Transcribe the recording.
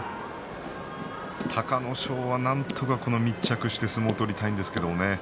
隆の勝は、なんとか密着して相撲を取りたいんですけれどもね。